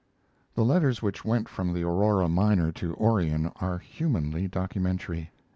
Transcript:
The letters which went from the Aurora miner to Orion are humanly documentary.